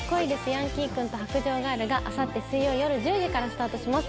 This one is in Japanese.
ヤンキー君と白杖ガール』が明後日水曜夜１０時からスタートします。